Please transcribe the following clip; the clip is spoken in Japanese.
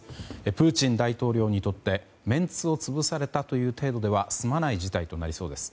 プーチン大統領にとってメンツを潰されたという程度では済まない事態となりそうです。